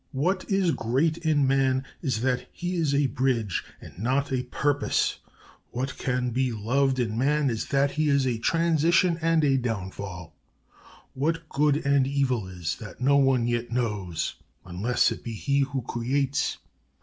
What is great in Man is that he is a bridge and not a purpose: what can be loved in Man is that he is a transition and a downfall.... What good and evil is, that no one yet knows: unless it be he who creates!